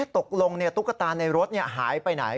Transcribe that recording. ตุ๊กตาในรถหายไปไหน